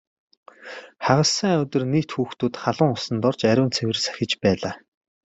Хагас сайн өдөр нийт хүүхдүүд халуун усанд орж ариун цэвэр сахиж байлаа.